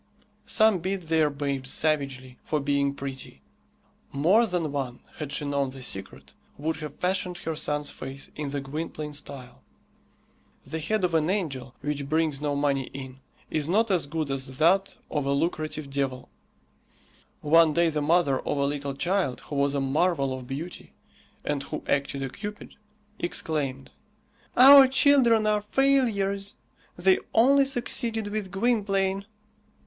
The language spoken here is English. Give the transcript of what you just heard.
Some beat their babes savagely for being pretty. More than one, had she known the secret, would have fashioned her son's face in the Gwynplaine style. The head of an angel, which brings no money in, is not as good as that of a lucrative devil. One day the mother of a little child who was a marvel of beauty, and who acted a cupid, exclaimed, "Our children are failures! They only succeeded with Gwynplaine."